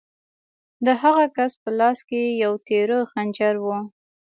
د هغه کس په لاس کې یو تېره خنجر و